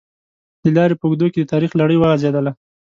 د لارې په اوږدو کې د تاریخ لړۍ وغزېدله.